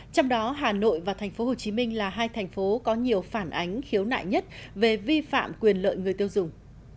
trong đó hà nội và tp hcm là hai thành phố có nhiều phản ánh khiếu nại nhất về vi phạm quyền lợi người tiêu dùng